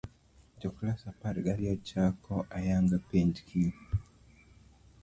Jo class apar gi ariyo chako ayanga penj kiny